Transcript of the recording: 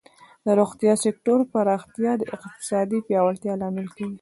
د روغتیا سکتور پراختیا د اقتصادی پیاوړتیا لامل کیږي.